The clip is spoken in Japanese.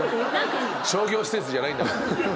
商業施設じゃないんだから。